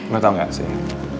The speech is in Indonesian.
lo tau gak sih